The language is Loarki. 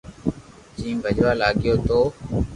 جيم ڀجوا لاگيو تو